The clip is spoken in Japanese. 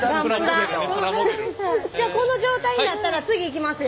じゃあこの状態になったら次行きますよ。